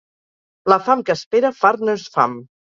La fam que espera fart no és fam.